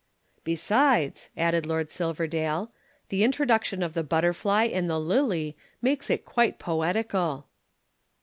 "Besides," added Lord Silverdale. "The introduction of the butterfly and the lily makes it quite poetical."